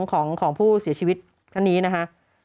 ของผู้เสียชีวิตท่านนี้นะคะ